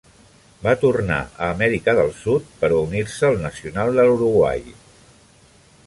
Va tornar a Amèrica del Sud per a unir-se al Nacional de l'Uruguai.